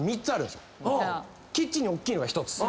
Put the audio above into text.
キッチンにおっきいのが１つ。